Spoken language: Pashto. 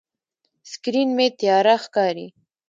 سکرین مې تیاره ښکاري.